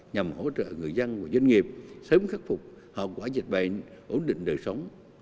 nhằm hỗ trợ người dân và doanh nghiệp sớm khắc phục hậu quả dịch bệnh ổn định đời sống